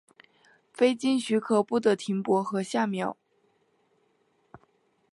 非经许可不得停泊和下锚。